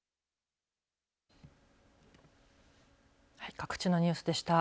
各地のニュースでした。